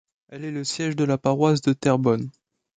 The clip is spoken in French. Elle est le siège de la Paroisse de Terrebonne.